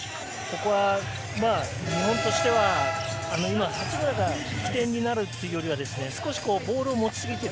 日本としては、今、八村が起点になるというより、ボールを持ちすぎている。